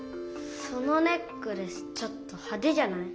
そのネックレスちょっとはでじゃない？